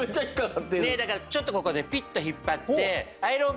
だからちょっとここでピッと引っ張って。